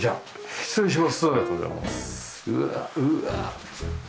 失礼します。